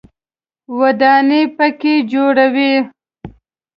ودانۍ په کې جوړوي.